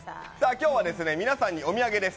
今日は皆さんにお土産です。